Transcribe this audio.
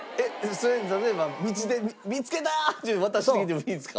それ例えば道で「見付けた！」って渡してきてもいいんですか？